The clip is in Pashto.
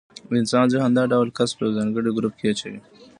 د انسان ذهن دا ډول کس په یو ځانګړي ګروپ کې اچوي.